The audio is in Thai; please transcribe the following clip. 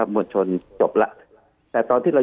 คุณหมอประเมินสถานการณ์บรรยากาศนอกสภาหน่อยได้ไหมคะ